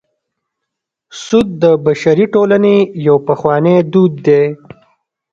سود د بشري ټولنې یو پخوانی دود دی